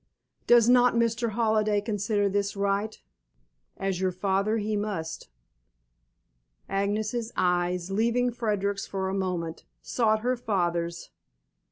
Does not Mr. Halliday consider this right? As your father he must." Agnes's eyes, leaving Frederick's for a moment, sought her father's.